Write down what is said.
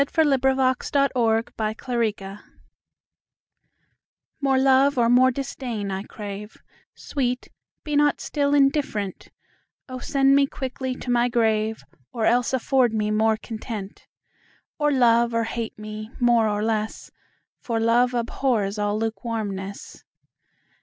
c. 1678 403. Against Indifference MORE love or more disdain I crave; Sweet, be not still indifferent: O send me quickly to my grave, Or else afford me more content! Or love or hate me more or less, 5 For love abhors all lukewarmness.